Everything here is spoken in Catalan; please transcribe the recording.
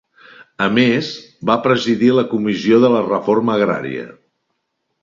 A més va presidir la Comissió de la Reforma Agrària.